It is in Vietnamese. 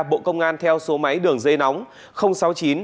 bộ công an theo số máy đường dây nóng